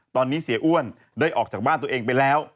ตอนนี้เสียอ้วนได้ออกจากบ้านตัวเองไปแล้ว